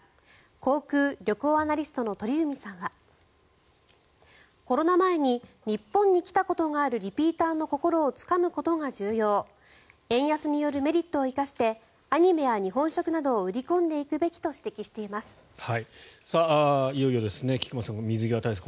航空・旅行アナリストの鳥海さんはコロナ前に日本の来たことがあるリピーターの心をつかむことが重要円安によるメリットを生かしてアニメや日本食などを売り込んでいくべきと指摘しています。